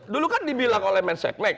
dulu kan dibilang oleh menseknek